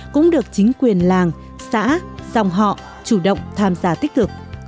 cũng được chính quyền làng xã dòng họ chủ động tham gia tích cực